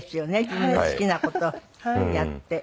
自分の好きな事をやって。